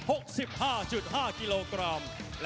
ตอนนี้มวยกู้ที่๓ของรายการ